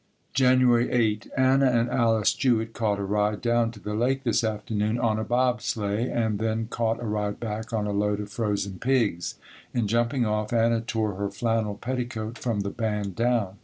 1857 January 8. Anna and Alice Jewett caught a ride down to the lake this afternoon on a bob sleigh, and then caught a ride back on a load of frozen pigs. In jumping off, Anna tore her flannel petticoat from the band down.